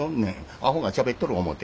あほがしゃべっとる思て。